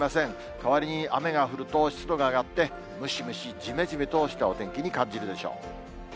代わりに雨が降ると湿度が上がってムシムシじめじめとしたお天気に感じるでしょう。